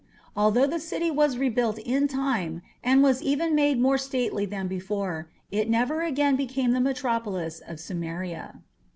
Although the city was rebuilt in time, and was even made more stately than before, it never again became the metropolis of Sumeria.